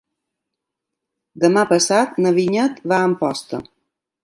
Demà passat na Vinyet va a Amposta.